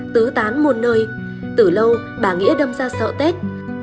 tớ tán muôn nơi từ lâu bà nghĩa đâm ra sợ tết